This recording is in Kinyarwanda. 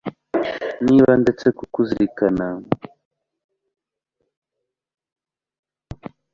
niba ndetse kukuzirikana